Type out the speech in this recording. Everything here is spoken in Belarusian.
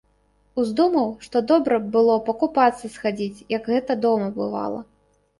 Уздумаў, што добра б было пакупацца схадзіць, як гэта дома бывала.